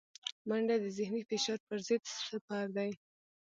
منډه د ذهني فشار پر ضد سپر دی